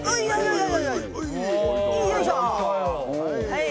はい。